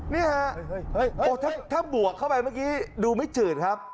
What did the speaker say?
นี่ฮะถ้าบวกเข้าไปเมื่อกี้ดูไม่จืดครับ